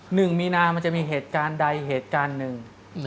หนึ่งมีนามันจะมีเหตุการณ์ใดเหตุการณ์หนึ่ง